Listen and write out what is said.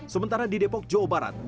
sementara di depok jawa barat